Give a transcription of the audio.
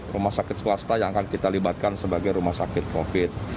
enam rumah sakit swasta yang akan kita libatkan sebagai rumah sakit covid sembilan belas